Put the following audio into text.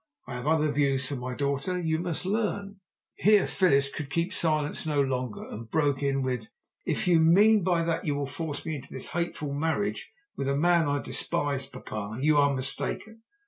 I have other views for my daughter, you must learn." Here Phyllis could keep silence no longer, and broke in with "If you mean by that that you will force me into this hateful marriage with a man I despise, papa, you are mistaken.